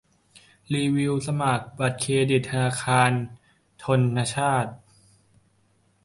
รีวิวสมัครบัตรเครดิตธนาคารธนชาต